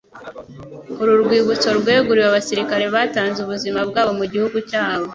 Uru rwibutso rweguriwe abasirikare batanze ubuzima bwabo mu gihugu cyabo.